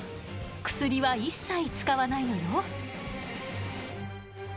薬は一切使わないのよ。